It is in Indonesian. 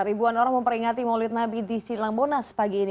ribuan orang memperingati maulid nabi di silang monas pagi ini